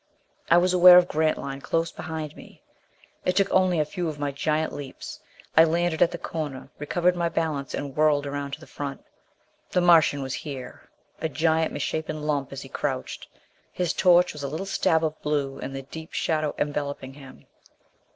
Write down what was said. I was aware of Grantline close behind me. It took only a few of my giant leaps. I handed at the corner, recovered my balance and whirled around to the front. The Martian was here, a giant misshapen lump as he crouched. His torch was a little stab of blue in the deep shadow enveloping him.